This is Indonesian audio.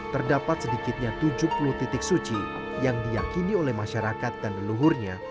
terdapat sedikitnya tujuh puluh titik suci yang diyakini oleh masyarakat dan leluhurnya